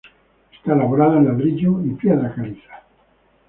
Está elaborada en ladrillo y piedra caliza.